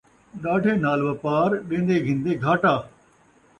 ݙاڈھے نال وپار ، ݙین٘دے گھندے گھاٹا